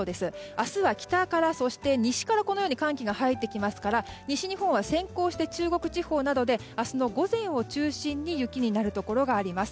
明日は北からやそして西から、このように寒気が入ってきますから西日本は先行して中国地方などで明日の午前を中心に雪になるところがあります。